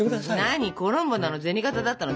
何コロンボなの銭形だったの？